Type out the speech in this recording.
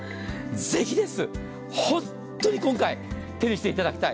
ぜひ、本当に今回手にしていただきたい。